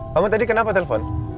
kamu tadi kenapa telepon